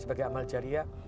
sebagai amal jariah